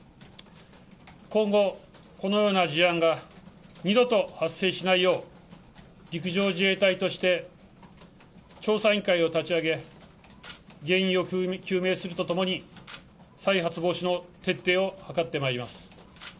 今後、このような事案が二度と発生しないよう、陸上自衛隊として、調査委員会を立ち上げ、原因を究明するとともに、再発防止の徹底を図ってまいります。